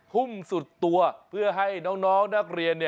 ุ่มสุดตัวเพื่อให้น้องนักเรียน